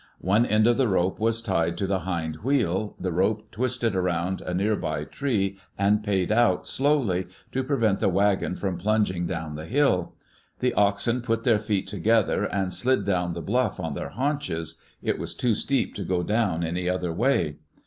One end of the rope was tied to the hind wheel, the rope twisted around a near by tree and "paid out" slowly, to prevent the wagon from plunging down the hill. The oxen put their feet together and slid down the bluff on their haunches — it was too steep to go down any other way.